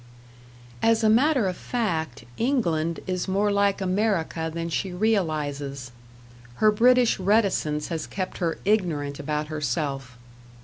As a matter of fact, England is more like America than she realizes; her British reticence has kept her ignorant about herself.